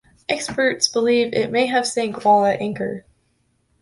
Experts believe it may have sank while at anchor.